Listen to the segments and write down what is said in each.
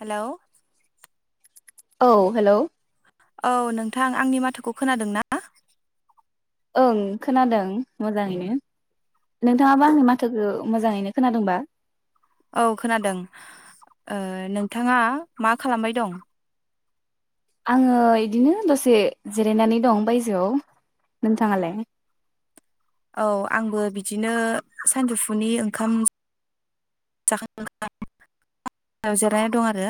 Hello औ hello औ नोंथां आंनि माथोखौ खोनादों ना? ओं खोनादों मोजाङैनो नोंथाङाबा आंनि माथोखौ मोजाङैनो खोनादोंबा? औ खोनादों ओ नोंथाङा मा खालामबाय दं? आङो इदिनो दसे जिरायनानै दं बायजोआव। नोंथाङालाय? औ आंबो बिदिनो सानजौफुनि ओंखाम [unintelligible] जिरायनानै दं आरो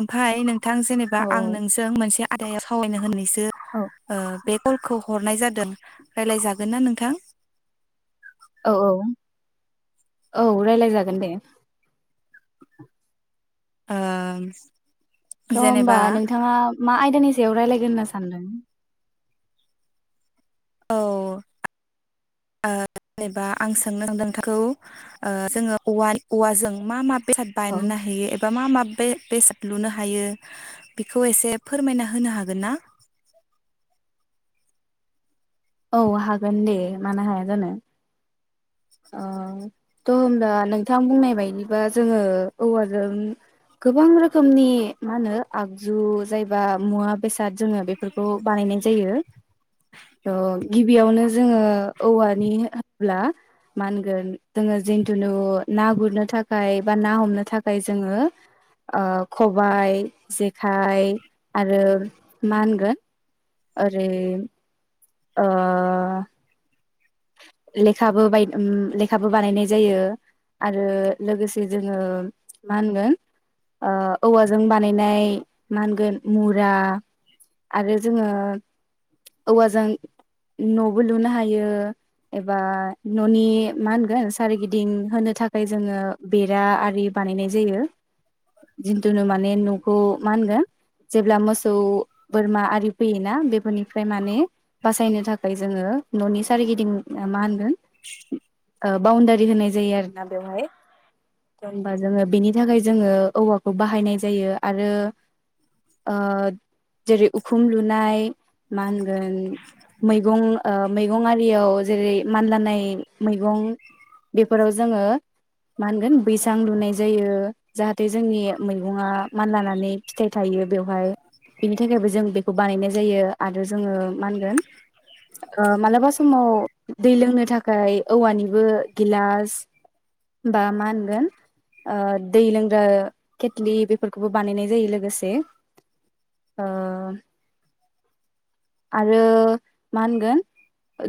ओमफ्राय नों थां जेनेबा औ आं नोंजों मोनसे आदायाव सावरायनो होननायसो औ बे कलखौ हरनाय जादों रायलायजागोन ना नोंथां? औ औ औ रालाय जागोन दे। ओम अ होमबा नोंथाङा मा आय नि सायाव रायलायगोन होनना सानदों? औ ओ जेनेबा आं सोंनो नोंथांखौ ओ जोङो औवा औवाजों मा मा बेसाद औ बायनो हायो एबा मा बे बेस लुनो हायो बेखौ एसे फोरमायना होनो हागोन ना? औ हागोन दे मानो हाया जानो। अ थ होमब्ला नोंथां बुंनाय बायदिबा जोङो औवाजों गोबां रोखोमनि मा होनो आगजु जायबा मुवा बेसाद जोङो बेफोरखौ बानायनाय जायो त गिबियावनो जोङो औवानि होनोब्ला मा होनगोन जोङो जिन्थुुनु ना गुरनो थाखाय बा ना हमनो थाखाय जोङो खबाइ, जे खाइ आरो मा होनगोन आरो ओ लेखाबो बाय लेखाबो बानायनाय जायो आरो लोगोसे जोङो मा होनगोन ओ औवाजों बानायनाय मा होनगोन मुरा आरो जोङो औवाजों न'बो लुनो हायो। एबा न'नि मा होनगोन सारिगिदिं होनो थाखाय जोङो बेरा आरि बानायनाय जायो जिन्थुुनो माने न'खौ मा होनगोन जेब्ला मोसौ बोरमा आरि फैयोना बेफोरनिफ्राय माने बासायनो थाखाय जोङो न'नि सारिगिदि [unintelligible] मा होनगोन ओ बाउनदारि होनाय जायो आरोना बेवहाय ओमबा जोङो बेनि थाखाय जोङो औवाखौ बाहायनाय जायो आरो ओ जेरै उखुम लुनाय मा होनगोन मैगं ओ मैगं आरि रियाव जेरै मानलानाय मैगं बेफोराव जोङो मा होनगोन बैसां लुनाय जायो जाहाथे जोंनि मैगङा मानलानानै फिथाइ थायो बेवहाय बिनि थाखायबो जों बेखौ बानायनाय जायो आरो जोङो मा होनगोन मालाबा सम समाव दै लोंनो थाखाय औवानिबो गिलास बा मा होनगोन ओ दै लोंग्रा केेटलि बेफोरखौबो बानायनाय जायो लोगोसे ओ आरो मा होनगोन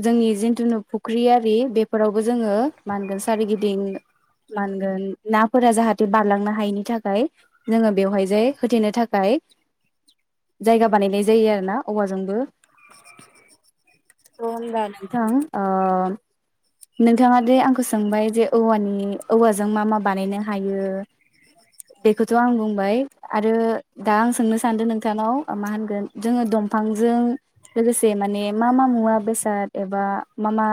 जोंनि जिन्थुुनु फुख्रि आरि बेफोरावबो जोङो मा होनगोन सोरगिदिं मा होनगोन नाफोरा जाहाथे बारलांनो हायैनि थाखाय जोङो बेवहाय जाय होथेनो थाखाय जायगा बानायनाय जायो आरो ना औवाजोंबो। थ होमबा नोंथां ओ नोंथाङा दे आंखौ सोंबाय जे औवानि औवाजों मा मा बानायनो हायो बेखौथ' आं बुंबाय आरो दा आं सोंनो सानदों नोंथांनाव मा होनगोन जोङो दंफांजों लोगोसे माने मा मा मुवा बेसाद एबा मा मा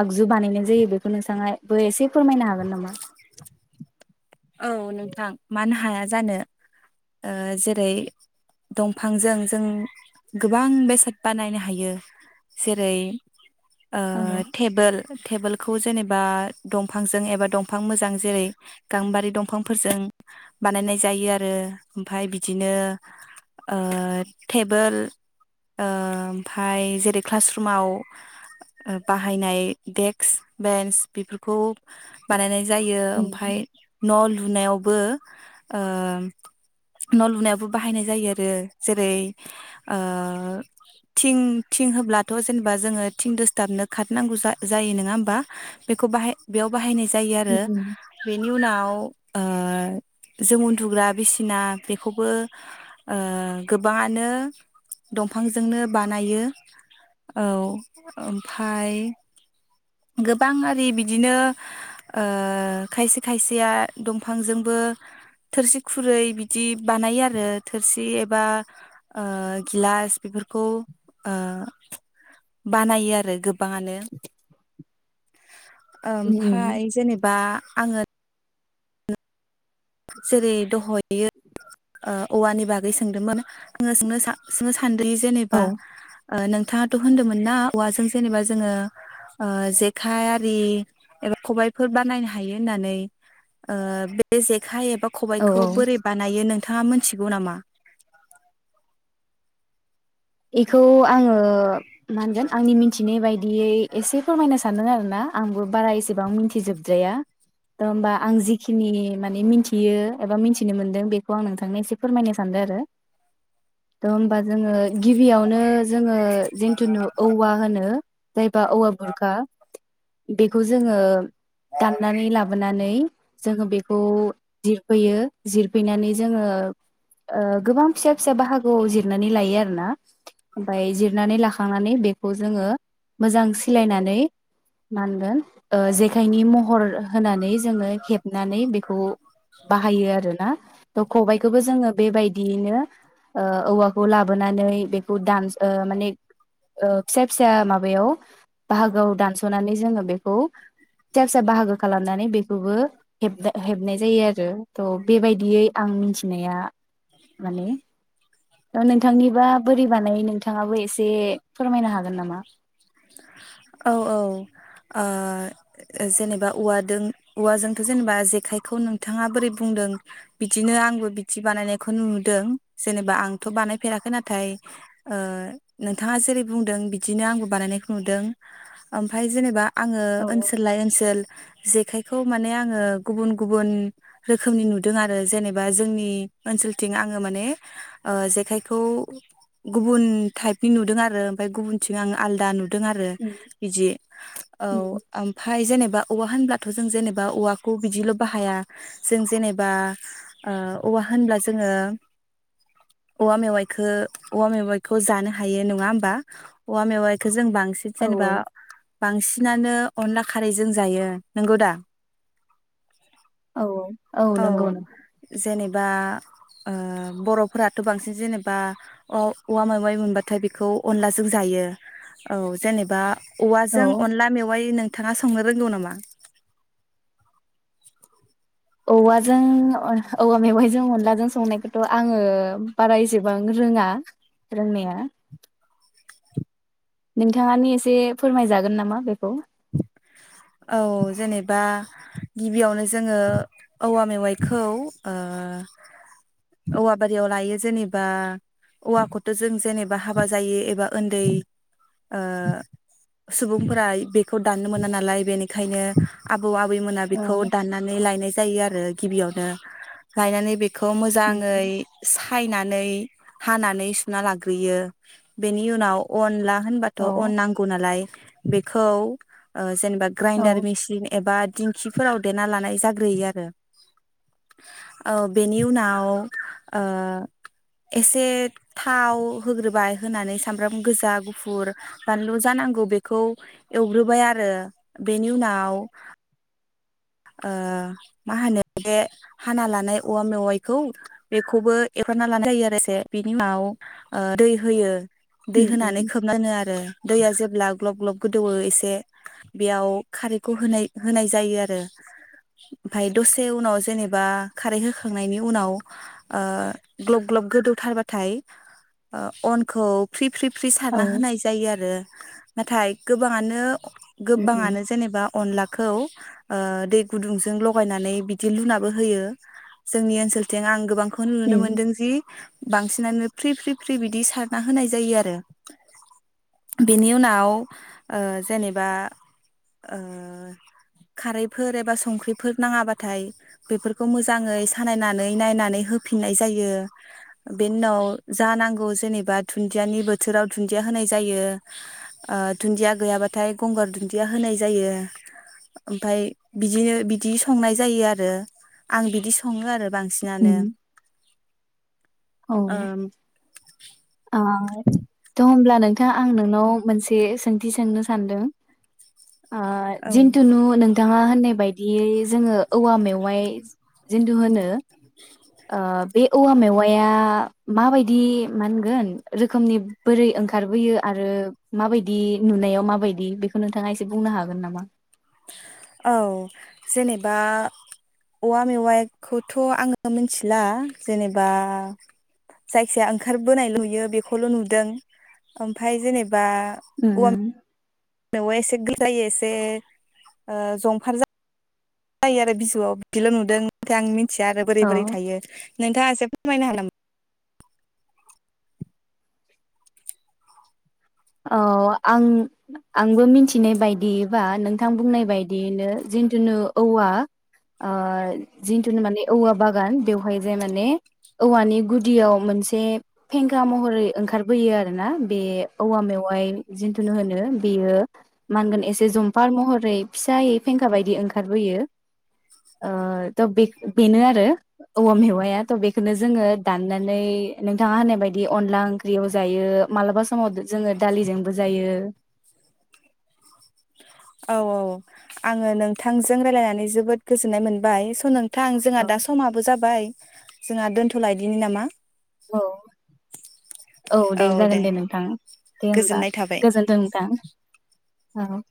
आगजु बानायनाय जायो बे बो नोंसांङा बो एसे फोरमायनो हागोन नामा? औ नोंथां मानो हाया जानो ओ जेरै दंफांजों जों गोबां बेसाद बानायनो हायो। जेरै ओ औ टेबोल टेबोलखौ जेनेबा दंफांजों एबा दंफां मोजां जेरै गांबारि दंफांफोरजों बानायनाय जायो आरो ओमफाय बिदिनो ओ टेबोल ओमफाय जेरै क्लासरुमाव बाहायनाय देक्स बेन्स बेफोरखौ बानायनाय जायो ओमफाय न लुनायावबो ओ न लुनायावबो बाहायनाय जायो आरो जेरै ओ थिं थिं होब्लाथ जेनेबा जोङो थिं दोसथाबनो खाट नांगौ जा जायो नङा होमबा बेखौ बाहाय बेयाव बाहायनाय जायो आरो बे नि उनाव ओ जों उन्दुग्रा बिसिना बेखौबो ओ गोबांङानो दंफांजोंनो बानायो औ ओमफाय गोबां आरि बिदिनो ओ खायसे खायसेया दंफांजोंबो थोरसि खुरै बिदि बानायो आरो थोरसि एबा ओ गिलास बेफोरखौ बानायो आरो गोबाङानो ओमफाय जेनेबा आंङो जेरै दहयो औवानि बाग गै सोंदोंमोन [unintelligible] खान्दै जेनेबा ओ नोंथाङाथ होनदोंमोन ना औवाजों जेनेबा जोङो ओ जेखाइ आरि एबा खबाइफोर बानायनो हायो होननानै ओ बे जे खाय औ खबायखौ औ बोरै बानायो नों नोंथाङा मोनथिगौ नामा? इखौ आंङो मा होनगोन आंनि मिथिनाय बायदियै एसे फोरमायनो सानदों आरो ना आंबो बारा एसेबां मिथिजोबद्राया थ होमबा आं जिखिनि माने मिथियो एबा मिथिनो मोनदों बेखौ आं नोंथांनो एसे फोरमायनो सानदों आरो थ होमबा जों गिबियावनो जोङो जिन्थुुनु औवा होनो जायबा औवा बुरखा बेखौ जोंङो दाननानै लाबोनानै जोंङो बेखौ जिरफैयो जिरफैनानै जोंङो ओ गोबां फिसा फिसा बाहागोआव जिरनानै लायो आरो ना ओमफ्राय जिरनानै लाखांनानै बेखौ जोंङो मोजां सिलायनानै मानगोन ओ जेखायनि महर होनानै जोंङो हेबनानै बेखौ बाहायो आरोना थ खबाइखौबो जोंङो बेबायदियैनो ओ औवाखौ लाब नानै बे दान माने फिसा फिसा माबायाव बाहागोआव दानसनानै जोंङो बेखौ फिसा फिसा बाहागो खालामनानै बेखौबो हेबदा हेबनाय जायो आरो थ बेबायदियै आं मिथिनाया माने ओ नों याबा बोरै बानायो नोंथाङाबो एस बे फोरमायनो हागोन नामा? औ औ ओ जेनेबा औवादों औवाजोंथ जेनेबा जेखायखौ नोंथाङा बोरै बुंदों बिदिनो आंबो बिदि बानायनायखौ नुदों जेनेबा आंथ बानायफेराखै नाथाय ओ नोंथाङा जेरै बुंदों बिदिनो आंबो बानायनायखौ नुदों ओमफाय जेनेबा आंङो औ ओनसोललाय ओनसोल जेखायखौ माने आङो गुबुन गुबुन रोखोमनि नुदों आरो जेनेबा जोंनि ओनसोलथिं आङो माने जेखायखौ गुबुन टाइप नि नुदों आरो ओमफाय गुबुनथिं आं आलदा नुदों दों आरो उम बिदि औ उम ओमफाय जेनेब दा औवा होनब्लाथ जों जेनेबा औवाखौ बिदिल बाहाया जों जेनेबा ओ औवा होनब्ला जोङो औवा मेवाइखो औवा मेवाइखौ जानो हायो नङा होमबा औवा मेवाइ बेखौ जों बां नांसि औ जेनेबा बांसिनानो अनला खारैजों जायो नंगौ दा। औ औ औ नंगौ नोंथां। बा ओ बर'फोराथ बांसिन जेनेबा अ औवा मेवाइ मोनबाथ नाथाय बेखौ अनलाजों जायो औ जेनेबा। औ औवाजों अनला मेवाय नों नोंथाङा संनो रोंगौ नामा। औवाजों अह औवा मेवाइजों अनलाजों संनायखौथ आङो बारा एसेबां रोङा रोंनाया। नोंथाङानि एसे फोरमायजागोन नामा बेखौ। औ जेनेबा गिबियावनो जोङो औवा मेवाइखौ ओ औवा बारियाव लायो जेनेबा औवाखौथ जों जेनेबा हाबा जायि एबा उन्दै ओ सुबुंफोरा बेखौ। दाननो मोना नालाय बेनिखायनो आब आबौ आबैमोना औ बेखौ दाननानै लायनाय जायो आरो गिबियावनो गायनानै बेख खौ मोजाङै उम सा सायनानै हानानै सुना लाग्रोयो बेनि उनाव अनला। होनबाथ औ अन नांगौ नालाय। बेखौ। ओह जेन एबा औ ग्राइनडार मेसिन एबा। दिंखिफोराव देना लानाय जाग्रोयो आरो औ बेनि उनाव ओ एसे थाव होग्रोबाय होनानै सामब्राम गोजा गुफुर बानलु जानांगौ बेखौ एव बुग्रोबाय आरो बेनि उनाव। ओ मा होनो बे हाना लानाय औवा मेवाइखौ बेखौबो एवखना [unintelligible] लानाय जायो आरो बिनि उनाव दै होयो। दै उम होनानै उम खोबनानै थोनो आरो दैया जेब अब्ला ग्लब ग्लब गोदौवो एसे बेयाव खारैखौ होनाय होनाय जायो आरो। ओमफ्राय दसे उनाव जेनेबा खारै होखांनायनि उनाव ओ ग्लब ग्लब गोदौथारबाथाय अह अनखौ फ्रि फ्रि फ्रि औ सारना उम होनाय जायो आरो। नाथाय गोबाङानो। उम गोबाङानो जेनेबा। अनलाखौ ओ। दै गुदुंजों लगायनानै बिदि लुनाबो होयो जोंनि ओनसोलथिं आं गोबांखौ खौनो नुनो उम मोनदों जि बांसिनानो फ्रि फ्रि फ्रि बिदि सारना होनाय जायो आरो बेनि उनाव ओह जेनेबा ओ खारै। फोर एबा संख्रिफोर नाङाबाथाय बेफोरखौ मोजाङै सानायनानै नायनानै होफिननाय जायो बेनि उनाव जानांगौ जेनेबा दुन्दियानि बोथोराव दुन्दिया होनाय जायो ओ दुन्दिया गैयाबाथाय गंगार दुन्दिया होनाय जायो ओमफाय बिदिनो बिदि संनाय जायो आरो आं बिदि सङो आरो बांसिनानो। उम ओम [unintelligible] थौ होमब्ला नोंथाङा आं नोंनाव मोनसे सोंथि सोंनो सानदों आह औ जिन्थुुनु नोंथाङा होननाय बायदि बिदियै जोङो औवा मेवाइ जिन्दु होनो ओह बे औवा मेवाया माबायदि मान होनगोन रोखोमनि बोरै ओंखारबोयो आरो माबायदि नुनायाव माबायदि बेखौ नोंथाङा एसे बुंनो हागोन नामा औ जेनेबा औवा मेवाइखौथ आङो मिथिला जेनेबा जायखिया ओंखारबोनाय नुयो बेखौल नुदों ओमफ्राय जेनेबा बा औवा उम देवयआ एसे गोरायै एसे ओ जंफार जायो जायो आरो बिजौआव बिदिल नुदों ओमफ्राय आं मिथि मिथिया आरो बोरै औ बोरै थायो नोंथाङा एसे फोरमायनो हागोन नामा? औ आं आंबो मिथिनाय बायदियैबा नोंथां बुंनाय बायदियैनो जिथुुनु औवा औ जिथुुनु माने औवा बागान बेवहाय जाय माने औवानि गुदियाव मोनसे फेंखा महरै ओंखारबोयो आरोना बे औवा मेवाय जिन्थुुनु होनो बेयो मा होनगोन एसे जंफार महरै फिसायै फेंखा बायदि ओंखारबोयो ओ थ बे बेनो आरो औवा मेवाया थ बेखौनो जोङो दाननानै नोंथाङा होननाय बायदि अनला ओंख्रियाव जायो मालाबा समाव जोङो दालिजोंबो जायो औ औ आङो नोंथांजों रायलायनानै जोबोद गोजोननाय मोनबाय स नों नोंथां जोंहा दा समाबो जाबाय जोंहा दोनथलायदिनि नामा औ [inaudible] औ दे जागोन दे नोंथां दे होमबा गोजोननाय थाबाय। गोजोनथों नोंथां औ